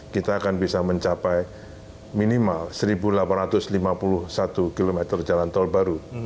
kita akan bisa mencapai minimal satu delapan ratus lima puluh satu km jalan tol baru